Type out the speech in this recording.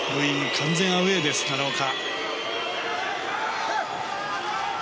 完全アウェーです、奈良岡。